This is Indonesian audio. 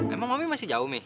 emang mami masih jauh mi